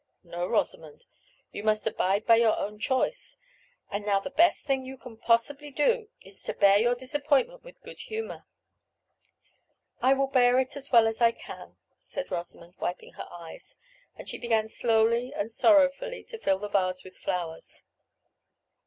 "No, Rosamond; you must abide by your own choice; and now the best thing you can possibly do is to bear your disappointment with good humor." "I will bear it as well as I can," said Rosamond, wiping her eyes; and she began slowly and sorrowfully to fill the vase with flowers.